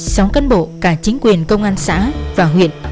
sáu căn bộ cả chính quyền công an xã và huyện